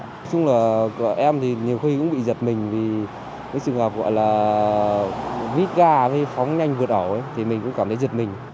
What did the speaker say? nói chung là em thì nhiều khi cũng bị giật mình vì cái sự gặp gọi là vít ga với phóng nhanh vượt ổ thì mình cũng cảm thấy giật mình